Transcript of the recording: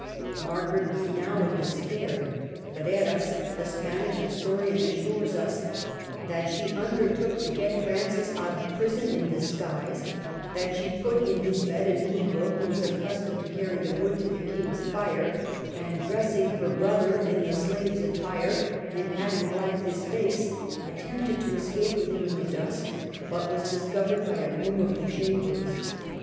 Margaret was now in despair. Ferreras, the Spanish historian, assures us that she undertook to get Francis out of prison in disguise ; that she put in his bed a negro who was accustomed to carry the wood to the King's fire, and dressing 1 Champollion Figeac. 104 MARGARET OF ANGOULtME. her brother in the slave's attire, and having blacked his face, attempted to escape with him in the dusk, but was discovered by a groom of the chambers.